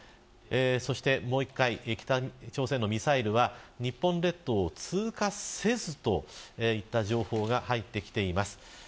もう一度、北朝鮮のミサイルは日本列島を通過せずといった情報が入ってきています。